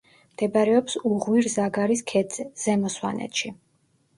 მდებარეობს უღვირ-ზაგარის ქედზე, ზემო სვანეთში.